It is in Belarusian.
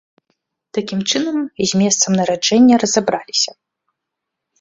Такім чынам, з месцам нараджэння разабраліся.